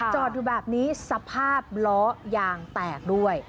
จอดอยู่แบบนี้สภาพล้อยางแตกด้วย